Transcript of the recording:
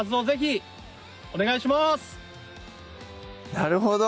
なるほど！